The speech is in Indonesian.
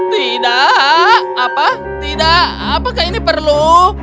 tidak apa tidak apakah ini perlu